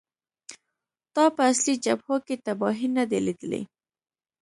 تا په اصلي جبهو کې تباهۍ نه دي لیدلې